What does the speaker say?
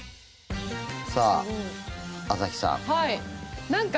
さあ、朝日さん。